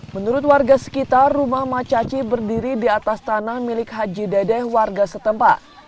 menurut warga sekitar rumah mak caci berdiri di atas tanah milik haji dedeh warga setempat